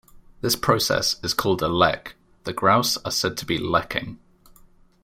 This process is called a "lek"-the grouse are said to be "lekking".